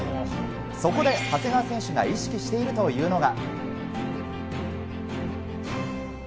そこで長谷川選手が意識しているというのが。